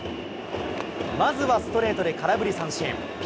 まずはストレートで空振り三振。